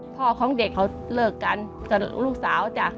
พ่อของเด็กเขาเลิกกันกับลูกสาวจ้ะ